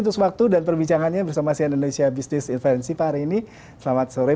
untuk sewaktu dan perbicaraannya bersama saya indonesia bisnis invensi hari ini selamat sore